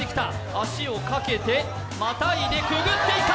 足をかけて、またいでくぐっていった！